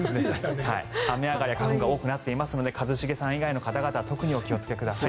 雨上がりは花粉が多くなっていますので一茂さん以外の方々特にお気をつけください。